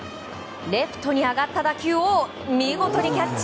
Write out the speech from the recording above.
レフトに上がった打球を見事にキャッチ！